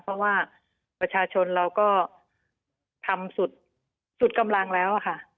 เพราะว่าประชาชนเราก็ทำสุดกำลังแล้วค่ะ